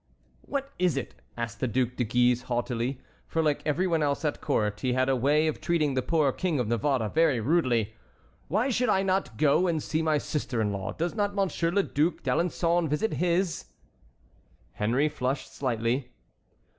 "What is it?" asked the Duc de Guise, haughtily; for like every one else at court, he had a way of treating the poor King of Navarre very rudely, "why should I not go and see my sister in law. Does not Monsieur le Duc d'Alençon visit his?" Henry flushed slightly.